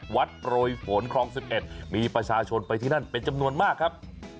โปรยฝนคลอง๑๑มีประชาชนไปที่นั่นเป็นจำนวนมากครับ